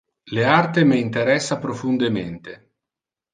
Le arte me interessa profundemente.